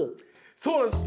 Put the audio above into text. そうなんです。